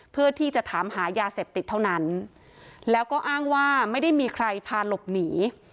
เพื่อที่จะถามหายาเสพติดเท่านั้นแล้วก็อ้างว่าไม่ได้มีใครพาหลบหนี